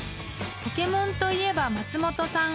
［『ポケモン』といえば松本さん］